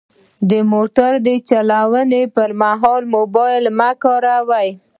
د موټر چلولو پر مهال موبایل مه کاروئ.